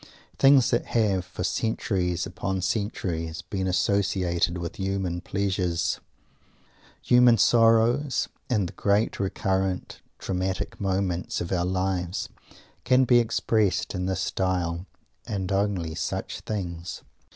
Things that have, for centuries upon centuries, been associated with human pleasures, human sorrows, and the great recurrent dramatic moments of our lives, can be expressed in this style; and only such things.